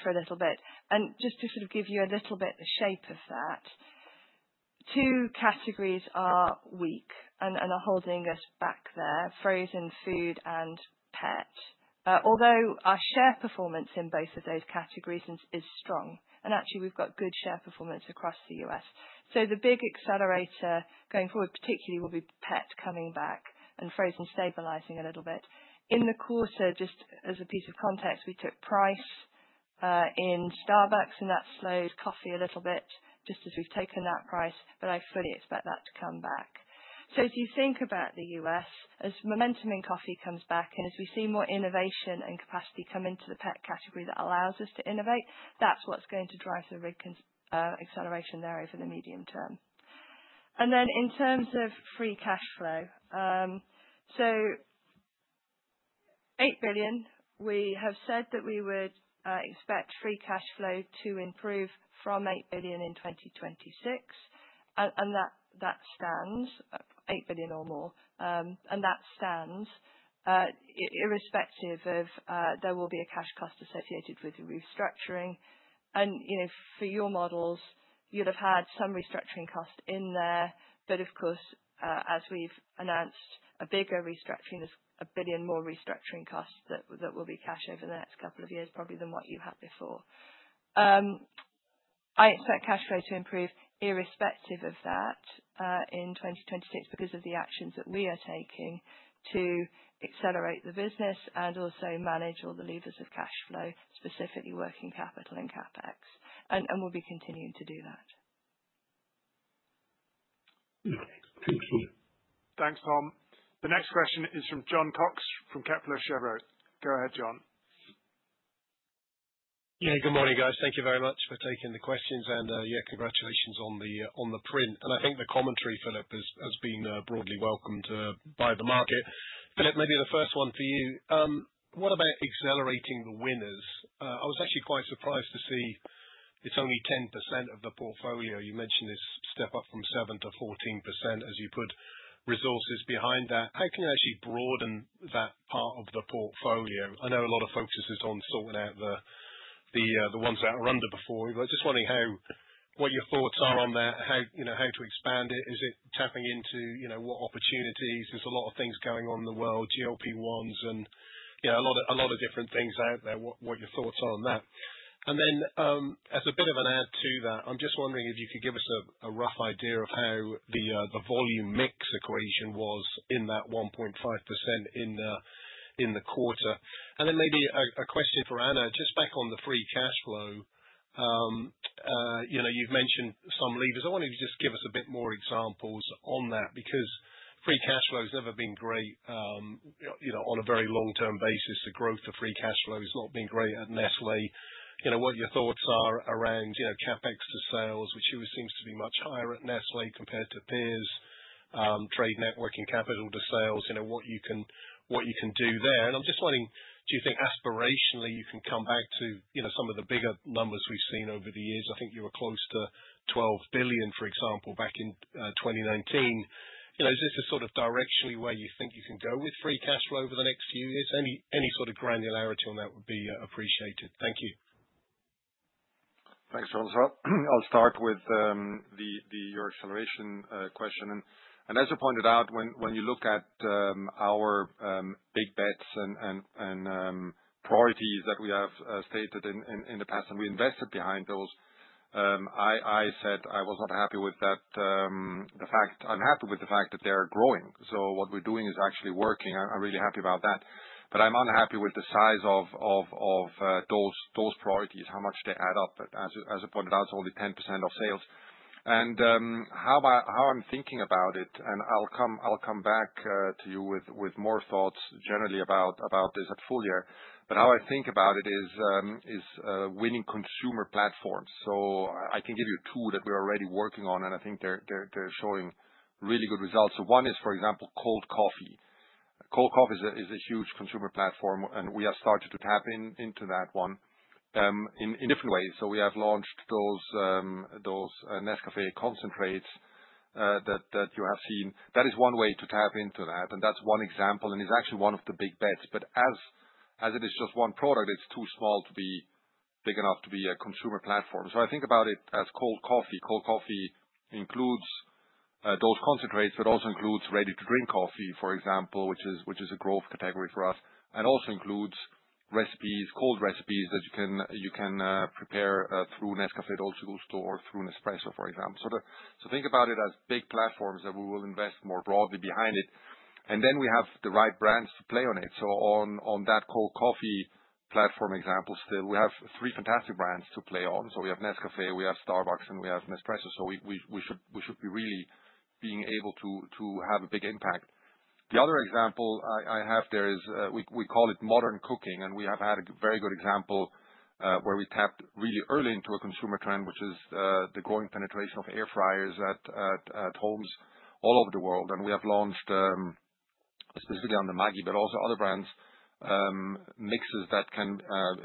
for a little bit. And just to sort of give you a little bit of the shape of that, two categories are weak and are holding us back there: Frozen food and Pet, although our share performance in both of those categories is strong. And actually, we've got good share performance across the U.S. So the big accelerator going forward, particularly, will be Pet coming back and Frozen stabilizing a little bit. In the quarter, just as a piece of context, we took price in Starbucks, and that slowed coffee a little bit, just as we've taken that price, but I fully expect that to come back. So as you think about the U.S., as momentum in coffee comes back and as we see more innovation and capacity come into the Pet category that allows us to innovate, that's what's going to drive the RIG acceleration there over the medium term. And then in terms of Free Cash Flow, so 8 billion, we have said that we would expect Free Cash Flow to improve from 8 billion in 2026. And that stands, 8 billion or more, and that stands irrespective of there will be a cash cost associated with the restructuring. And for your models, you'll have had some restructuring cost in there, but of course, as we've announced, a bigger restructuring is 1 billion more restructuring costs that will be cash over the next couple of years, probably than what you had before. I expect cash flow to improve irrespective of that in 2026 because of the actions that we are taking to accelerate the business and also manage all the levers of cash flow, specifically working capital and CapEx, and we'll be continuing to do that. Okay. Thank you. Thanks, Tom. The next question is from Jon Cox from Kepler Cheuvreux. Go ahead, Jon. Yeah, good morning, guys. Thank you very much for taking the questions. And yeah, congratulations on the print. And I think the commentary, Philipp, has been broadly welcomed by the market. Philipp, maybe the first one for you. What about accelerating the winners? I was actually quite surprised to see it's only 10% of the portfolio. You mentioned this step up from 7%-14% as you put resources behind that. How can you actually broaden that part of the portfolio? I know a lot of focus is on sorting out the ones that are under before, but just wondering what your thoughts are on that, how to expand it. Is it tapping into what opportunities? There's a lot of things going on in the world, GLP-1s and a lot of different things out there. What your thoughts are on that? And then, as a bit of an add to that, I'm just wondering if you could give us a rough idea of how the volume mix equation was in that 1.5% in the quarter? And then maybe a question for Anna, just back on the free cash flow. You've mentioned some levers. I wanted you to just give us a bit more examples on that because free cash flow has never been great on a very long-term basis. The growth of free cash flow has not been great at Nestlé. What your thoughts are around CapEx to sales, which always seems to be much higher at Nestlé compared to peers, trade network and capital to sales, what you can do there? And I'm just wondering, do you think aspirationally you can come back to some of the bigger numbers we've seen over the years? I think you were close to 12 billion, for example, back in 2019. Is this a sort of directionally where you think you can go with free cash flow over the next few years? Any sort of granularity on that would be appreciated. Thank you. Thanks, Cheuvreux. I'll start with your acceleration question, and as you pointed out, when you look at our big bets and priorities that we have stated in the past and we invested behind those, I said I was not happy with the fact. I'm happy with the fact that they're growing, so what we're doing is actually working. I'm really happy about that, but I'm unhappy with the size of those priorities, how much they add up. As you pointed out, it's only 10% of sales, and how I'm thinking about it, and I'll come back to you with more thoughts generally about this at full year, but how I think about it is winning consumer platforms, so I can give you two that we're already working on, and I think they're showing really good results, so one is, for example, cold coffee. Cold coffee is a huge consumer platform, and we have started to tap into that one in different ways, so we have launched those Nescafé concentrates that you have seen. That is one way to tap into that, and that's one example, and it's actually one of the big bets, but as it is just one product, it's too small to be big enough to be a consumer platform, so I think about it as cold coffee. Cold coffee includes those concentrates, but also includes ready-to-drink coffee, for example, which is a growth category for us, and also includes recipes, cold recipes that you can prepare through Nescafé Dolce Gusto or through Nespresso, for example, so think about it as big platforms that we will invest more broadly behind it, and then we have the right brands to play on it. On that cold coffee platform example still, we have three fantastic brands to play on. We have Nescafé, we have Starbucks, and we have Nespresso. We should be really being able to have a big impact. The other example I have there is we call it modern cooking, and we have had a very good example where we tapped really early into a consumer trend, which is the growing penetration of air fryers at homes all over the world. We have launched, specifically on the Maggi, but also other brands, mixes that can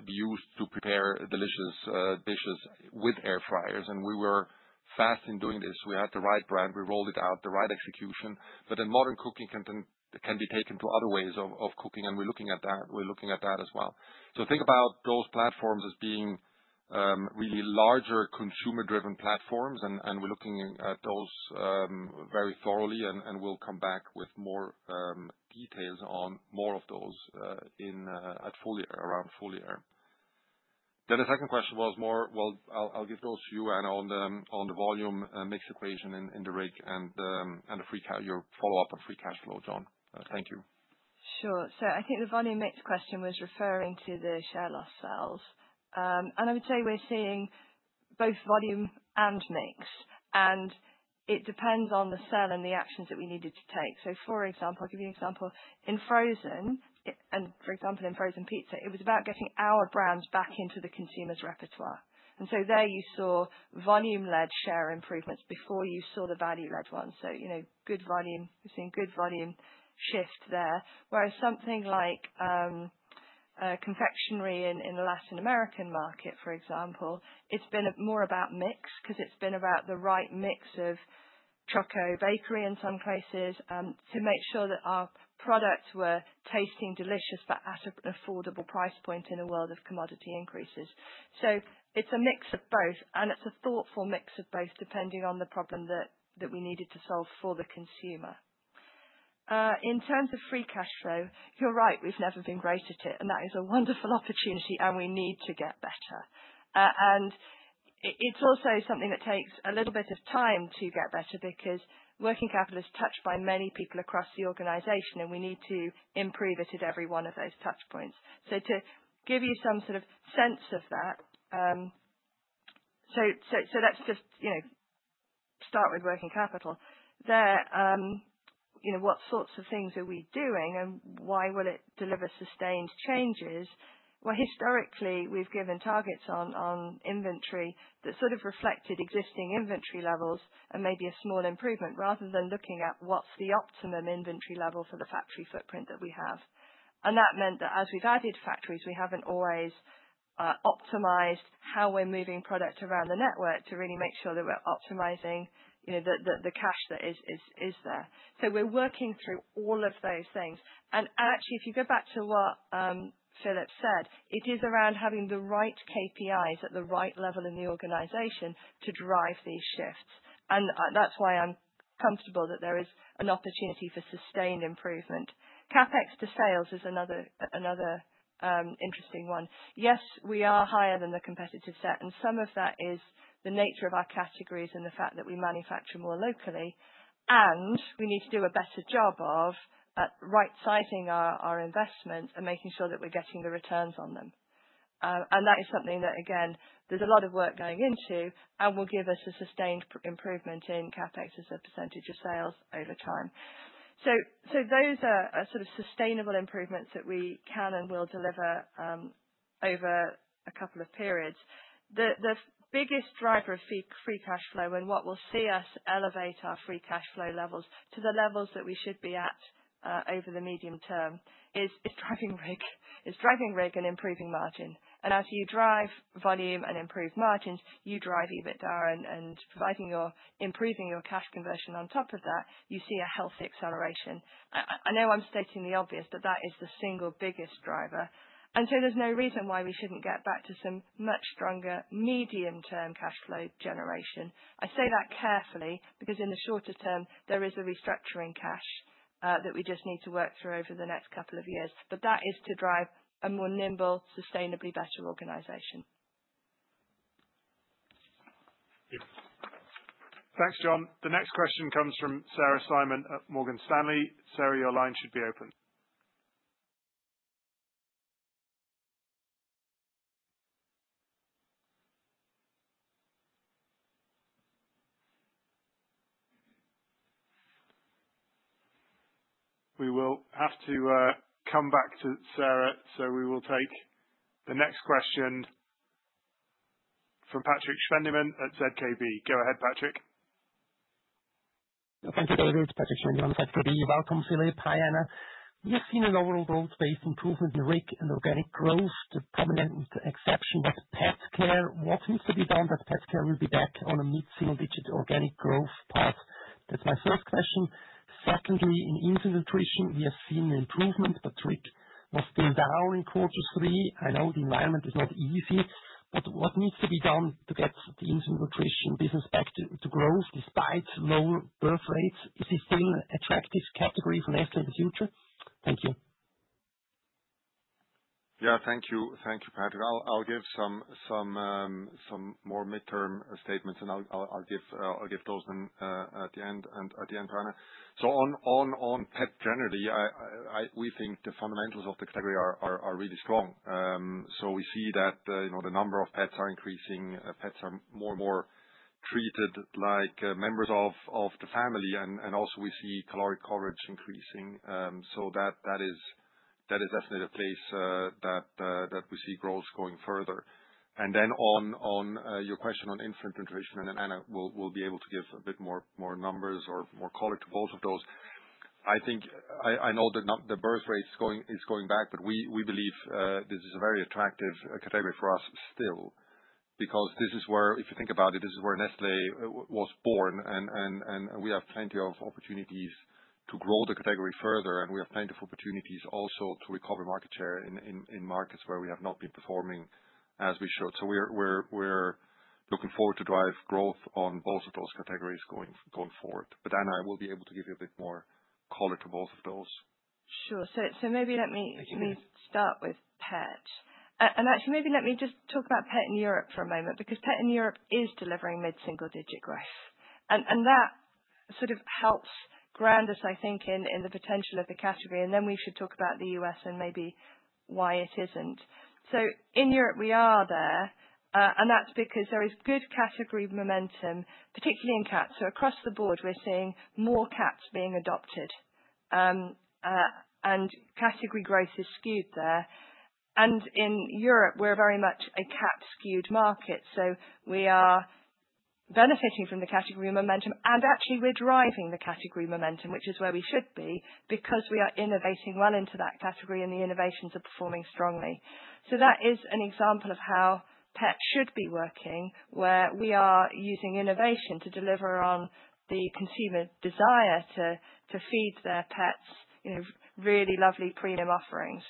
be used to prepare delicious dishes with air fryers. We were fast in doing this. We had the right brand. We rolled it out, the right execution. Modern cooking can be taken to other ways of cooking, and we're looking at that. We're looking at that as well. So think about those platforms as being really larger consumer-driven platforms, and we're looking at those very thoroughly, and we'll come back with more details on more of those at full year, around full year. Then the second question was more, well, I'll give those to you, Anna, on the volume mix equation in the RIG and your follow-up on free cash flow, Jon. Thank you. Sure. So I think the volume mix question was referring to the share loss sales, and I would say we're seeing both volume and mix, and it depends on the sale and the actions that we needed to take, so for example, I'll give you an example. In Frozen, and for example, in Frozen pizza, it was about getting our brands back into the consumer's repertoire, and so there you saw volume-led share improvements before you saw the value-led ones, so good volume, we've seen good volume shift there. Whereas something like Confectionery in the Latin American market, for example, it's been more about mix because it's been about the right mix of Choco Bakery in some places to make sure that our products were tasting delicious but at an affordable price point in a world of commodity increases. It's a mix of both, and it's a thoughtful mix of both depending on the problem that we needed to solve for the consumer. In terms of free cash flow, you're right, we've never been great at it, and that is a wonderful opportunity, and we need to get better. It's also something that takes a little bit of time to get better because working capital is touched by many people across the organization, and we need to improve it at every one of those touch points. To give you some sort of sense of that, let's just start with working capital. There, what sorts of things are we doing, and why will it deliver sustained changes? Historically, we've given targets on inventory that sort of reflected existing inventory levels and maybe a small improvement rather than looking at what's the optimum inventory level for the factory footprint that we have. That meant that as we've added factories, we haven't always optimized how we're moving product around the network to really make sure that we're optimizing the cash that is there. We're working through all of those things. Actually, if you go back to what Philipp said, it is around having the right KPIs at the right level in the organization to drive these shifts. That's why I'm comfortable that there is an opportunity for sustained improvement. CapEx to sales is another interesting one. Yes, we are higher than the competitive set, and some of that is the nature of our categories and the fact that we manufacture more locally. And we need to do a better job of right-sizing our investments and making sure that we're getting the returns on them. And that is something that, again, there's a lot of work going into, and will give us a sustained improvement in CapEx as a percentage of sales over time. So those are sort of sustainable improvements that we can and will deliver over a couple of periods. The biggest driver of free cash flow and what will see us elevate our free cash flow levels to the levels that we should be at over the medium term is driving RIG and improving margin. And as you drive volume and improve margins, you drive EBITDA and improving your cash conversion. On top of that, you see a healthy acceleration. I know I'm stating the obvious, but that is the single biggest driver. And so there's no reason why we shouldn't get back to some much stronger medium-term cash flow generation. I say that carefully because in the shorter term, there is a restructuring cash that we just need to work through over the next couple of years, but that is to drive a more nimble, sustainably better organization. Thanks, Jon. The next question comes from Sarah Simon at Morgan Stanley. Sarah, your line should be open. We will have to come back to Sarah, so we will take the next question from Patrik Schwendimann at ZKB. Go ahead, Patrik. Thank you, David. Patrik Schwendimann at ZKB. Welcome, Philipp. Hi, Anna. We have seen an overall growth-based improvement in RIG and organic growth. Prominent exception was Pet Care. What needs to be done that Pet Care will be back on a mid-single-digit organic growth path? That's my first question. Secondly, in Infant Nutrition, we have seen an improvement, but RIG was still down in quarter three. I know the environment is not easy, but what needs to be done to get the Infant Nutrition Business back to growth despite low birth rates? Is it still an attractive category for Nestlé in the future? Thank you. Yeah, thank you, Patrik. I'll give some more mid-term statements, and I'll give those then at the end, Anna. So on pet generally, we think the fundamentals of the category are really strong. So we see that the number of pets are increasing. Pets are more and more treated like members of the family, and also we see caloric coverage increasing. So that is definitely a place that we see growth going further. And then on your question on Infant Nutrition, and then Anna will be able to give a bit more numbers or more color to both of those. I think I know that the birth rate is going back, but we believe this is a very attractive category for us still because this is where, if you think about it, this is where Nestlé was born, and we have plenty of opportunities to grow the category further, and we have plenty of opportunities also to recover market share in markets where we have not been performing as we should. So we're looking forward to drive growth on both of those categories going forward. But Anna, I will be able to give you a bit more color to both of those. Sure, so maybe let me start with Pet. And actually, maybe let me just talk about Pet in Europe for a moment, because Pet in Europe is delivering mid-single-digit growth, and that sort of helps ground us, I think, in the potential of the category, and then we should talk about the U.S. and maybe why it isn't, so in Europe, we are there, and that's because there is good category momentum, particularly in cats, so across the Board, we're seeing more cats being adopted, and category growth is skewed there, and in Europe, we're very much a cat-skewed market, so we are benefiting from the category momentum, and actually, we're driving the category momentum, which is where we should be because we are innovating well into that category, and the innovations are performing strongly. So that is an example of how Pet should be working, where we are using innovation to deliver on the consumer desire to feed their pets really lovely premium offerings.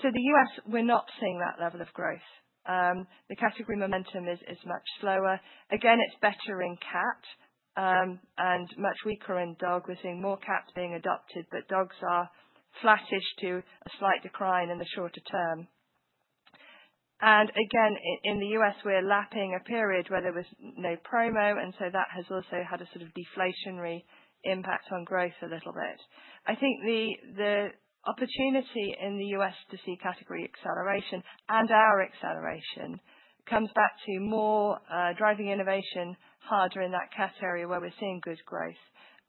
So the U.S., we're not seeing that level of growth. The category momentum is much slower. Again, it's better in cat and much weaker in dog. We're seeing more cats being adopted, but dogs are flattish to a slight decline in the shorter term. And again, in the U.S., we're lapping a period where there was no promo, and so that has also had a sort of deflationary impact on growth a little bit. I think the opportunity in the U.S. to see category acceleration and our acceleration comes back to more driving innovation harder in that cat area where we're seeing good growth.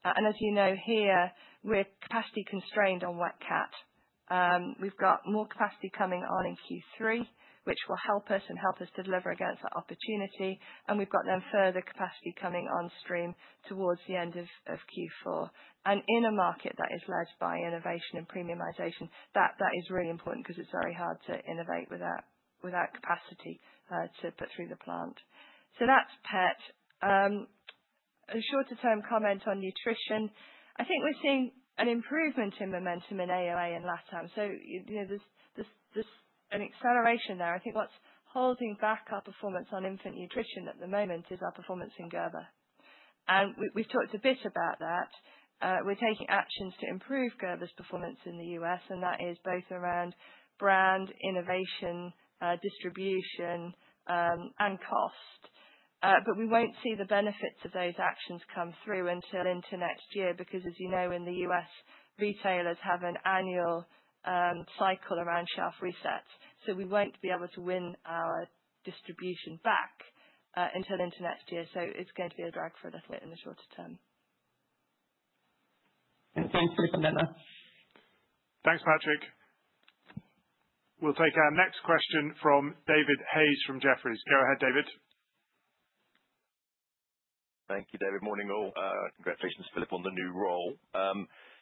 And as you know here, we're capacity constrained on wet cat. We've got more capacity coming on in Q3, which will help us and help us to deliver against that opportunity, and we've got then further capacity coming on stream towards the end of Q4, and in a market that is led by innovation and premiumization, that is really important because it's very hard to innovate without capacity to put through the plant. So that's Pet, a shorter-term comment on Nutrition. I think we're seeing an improvement in momentum in AOA and LATAM, so there's an acceleration there. I think what's holding back our performance on Infant Nutrition at the moment is our performance in Gerber, and we've talked a bit about that. We're taking actions to improve Gerber's performance in the U.S., and that is both around brand, innovation, distribution, and cost. But we won't see the benefits of those actions come through until into next year because, as you know, in the U.S., retailers have an annual cycle around shelf resets. So we won't be able to win our distribution back until into next year. So it's going to be a drag for a little bit in the shorter term. Thanks, Philipp and Anna. Thanks, Patrik. We'll take our next question from David Hayes from Jefferies. Go ahead, David. Thank you, David. Morning all. Congratulations, Philipp, on the new role.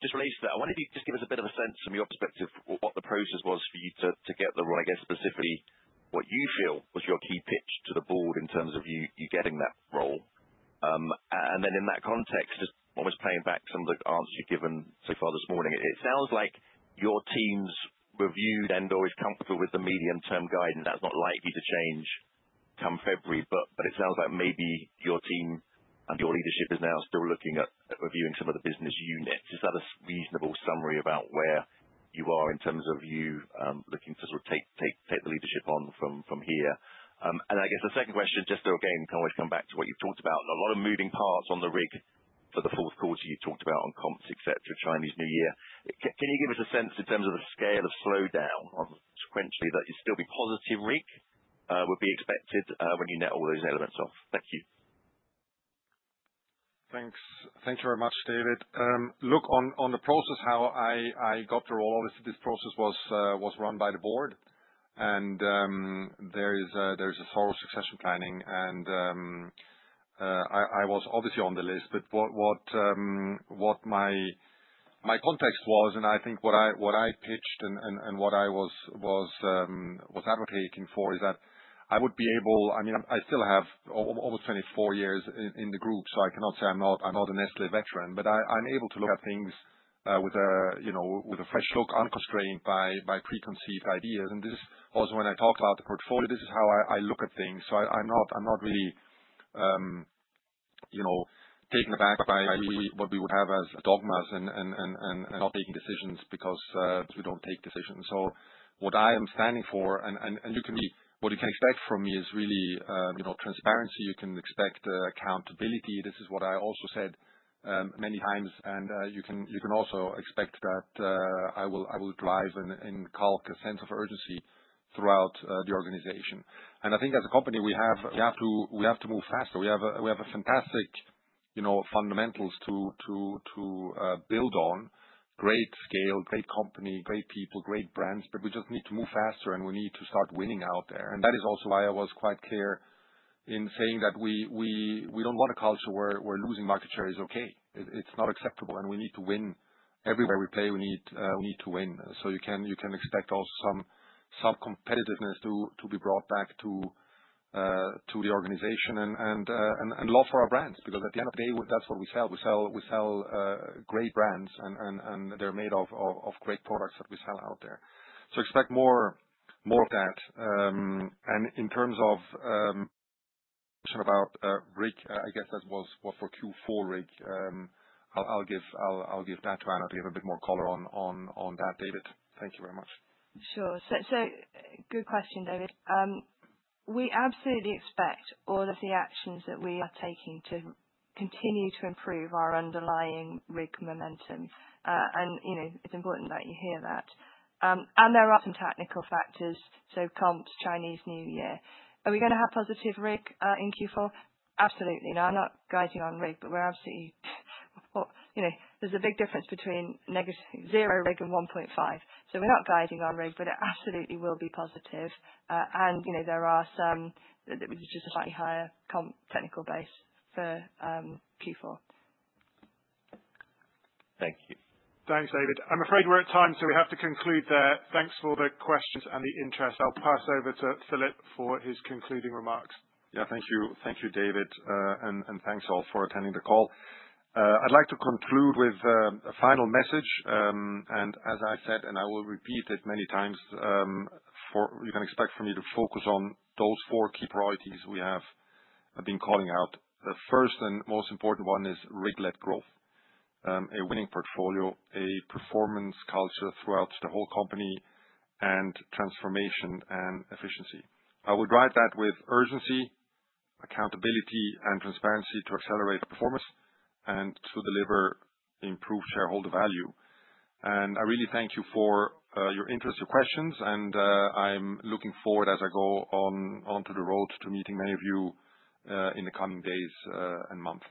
Just related to that, I wonder if you could just give us a bit of a sense from your perspective what the process was for you to get the role, I guess, specifically what you feel was your key pitch to the Board in terms of you getting that role, and then in that context, just almost playing back some of the answers you've given so far this morning, it sounds like your team's reviewed and always comfortable with the medium-term guidance. That's not likely to change come February, but it sounds like maybe your team and your leadership is now still looking at reviewing some of the business units. Is that a reasonable summary about where you are in terms of you looking to sort of take the leadership on from here? And I guess the second question, just to again kind of always come back to what you've talked about, a lot of moving parts on the RIG for the fourth quarter you've talked about on comps, etc., Chinese New Year. Can you give us a sense in terms of the scale of slowdown on sequentially that you'd still be positive RIG would be expected when you net all those elements off? Thank you. Thanks. Thank you very much, David. Look, on the process, how I got the role, obviously this process was run by the Board, and there is a thorough succession planning, and I was obviously on the list, but what my context was, and I think what I pitched and what I was advocating for is that I would be able, I mean, I still have almost 24 years in the Group, so I cannot say I'm not a Nestlé veteran, but I'm able to look at things with a fresh look, unconstrained by preconceived ideas, and this is also when I talk about the portfolio, this is how I look at things, so I'm not really taken aback by what we would have as dogmas and not taking decisions because we don't take decisions, so what I am standing for, and what you can expect from me is really transparency. You can expect accountability. This is what I also said many times, and you can also expect that I will drive and inculcate a sense of urgency throughout the organization, and I think as a company, we have to move faster. We have fantastic fundamentals to build on, great scale, great company, great people, great brands, but we just need to move faster, and we need to start winning out there, and that is also why I was quite clear in saying that we don't want a culture where losing market share is okay. It's not acceptable, and we need to win everywhere we play. We need to win, so you can expect also some competitiveness to be brought back to the organization and love for our brands because at the end of the day, that's what we sell. We sell great brands, and they're made of great products that we sell out there. So expect more of that. And in terms of question about RIG, I guess that was for Q4 RIG. I'll give that to Anna to give a bit more color on that, David. Thank you very much. Sure. So, good question, David. We absolutely expect all of the actions that we are taking to continue to improve our underlying RIG momentum, and it's important that you hear that, and there are some technical factors, so comps, Chinese New Year. Are we going to have positive RIG in Q4? Absolutely. Now, I'm not guiding on RIG, but we're absolutely there's a big difference between zero RIG and 1.5, so we're not guiding on RIG, but it absolutely will be positive, and there are some, just a slightly higher comp technical base for Q4. Thank you. Thanks, David. I'm afraid we're at time, so we have to conclude there. Thanks for the questions and the interest. I'll pass over to Philipp for his concluding remarks. Yeah, thank you, David, and thanks all for attending the call. I'd like to conclude with a final message. And as I said, and I will repeat it many times, you can expect for me to focus on those four key priorities we have been calling out. The first and most important one is RIG-led growth, a winning portfolio, a performance culture throughout the whole company, and transformation and efficiency. I would write that with urgency, accountability, and transparency to accelerate performance and to deliver improved shareholder value. And I really thank you for your interest, your questions, and I'm looking forward as I go onto the road to meeting many of you in the coming days and months.